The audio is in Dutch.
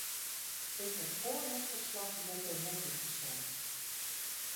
Ik heb vóór het verslag-Jäätteenmäki gestemd.